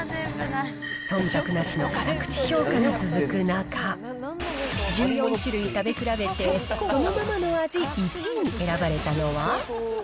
そんたくなしの辛口評価が続く中、１４種類食べ比べて、そのままの味１位に選ばれたのは？